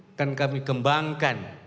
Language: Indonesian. akan kami kembangkan